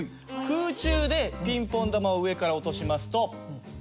空中でピンポン球を上から落としますと。